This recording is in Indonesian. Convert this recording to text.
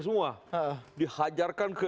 semua dihajarkan ke